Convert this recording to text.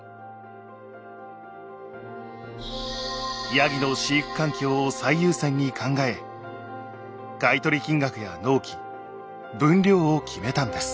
やぎの飼育環境を最優先に考え買い取り金額や納期分量を決めたんです。